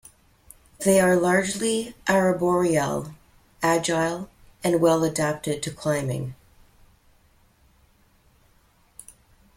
They are largely arboreal, agile, and well adapted to climbing.